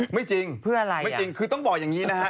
ไม่จริงไม่จริงคือต้องบอกอย่างนี้นะครับ